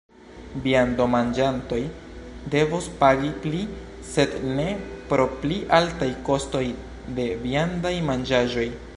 Viandomanĝantoj devos pagi pli, sed ne pro pli altaj kostoj de viandaj manĝaĵoj.